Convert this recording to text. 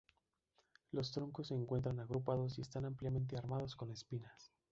Los troncos se encuentran agrupados y están ampliamente armados con espinas.